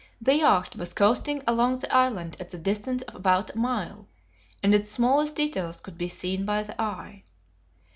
The yacht was coasting along the island at the distance of about a mile, and its smallest details could be seen by the eye.